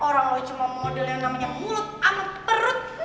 orang lo cuma model yang namanya mulut amat perut